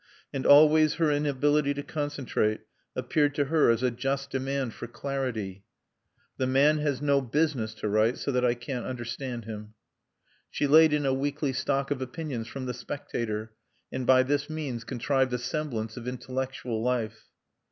And always her inability to concentrate appeared to her as a just demand for clarity: "The man has no business to write so that I can't understand him." She laid in a weekly stock of opinions from The Spectator, and by this means contrived a semblance of intellectual life.